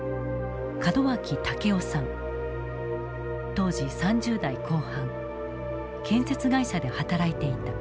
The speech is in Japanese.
当時３０代後半建設会社で働いていた。